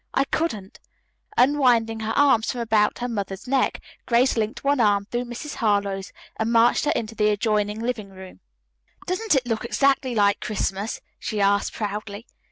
I couldn't." Unwinding her arms from about her mother's neck, Grace linked one arm through Mrs. Harlowe's and marched her into the adjoining living room. "Doesn't it look exactly like Christmas?" she asked proudly.